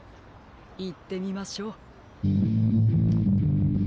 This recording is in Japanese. いってみましょう。